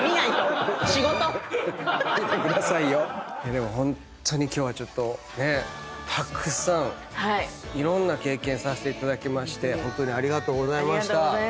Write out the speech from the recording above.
でもホントに今日はちょっとたくさんいろんな経験させていただきましてホントにありがとうございました。